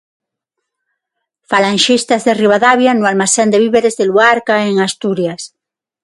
Falanxistas de Ribadavia no almacén de víveres de Luarca en Asturias.